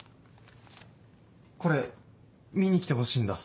これ見に来てほしいんだ。